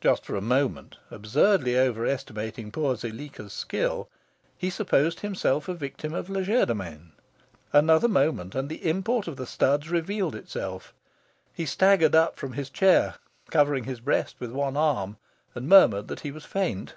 Just for a moment, absurdly over estimating poor Zuleika's skill, he supposed himself a victim of legerdemain. Another moment, and the import of the studs revealed itself. He staggered up from his chair, covering his breast with one arm, and murmured that he was faint.